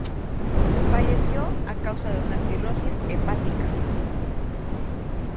Falleció a causa de una cirrosis hepática.